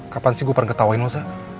kapan sih gue pernah ketauin lo sa